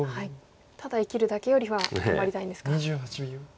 ただ生きるだけよりは頑張りたいんですか。